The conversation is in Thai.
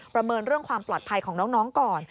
เมินเรื่องความปลอดภัยของน้องก่อน